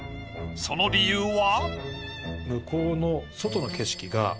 その理由は。